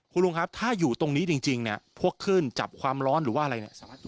ครูลุงครับถ้าอยู่ตรงนี้จริงพวกขึ้นจับความร้อนหรือว่าอะไร